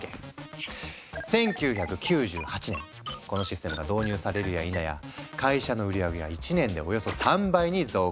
１９９８年このシステムが導入されるやいなや会社の売上げは１年でおよそ３倍に増加。